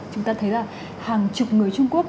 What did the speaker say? chúng ta thấy là hàng chục người trung quốc